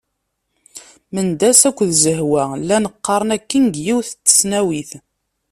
Mendas akked Zehwa llan qqaren akken deg yiwet n tesnawit.